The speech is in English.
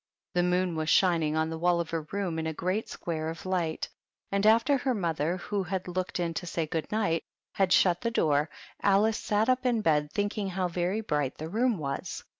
The moon was shining on the wall of her room in a great square of light, and after her mother, who had looked in to say " good night," had shut the door, Alice sat up in bed, thinking how very bright the room was.